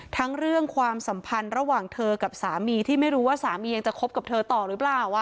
เรื่องความสัมพันธ์ระหว่างเธอกับสามีที่ไม่รู้ว่าสามียังจะคบกับเธอต่อหรือเปล่า